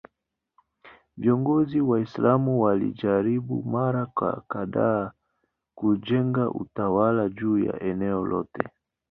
Viongozi Waislamu walijaribu mara kadhaa kujenga utawala juu ya eneo lote.